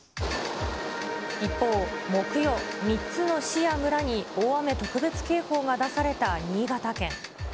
一方、木曜、３つの市や村に大雨特別警報が出された新潟県。